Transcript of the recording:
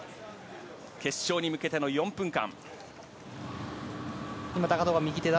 決勝に向けての４分間。